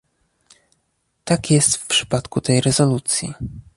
Tak jest w przypadku tej rezolucji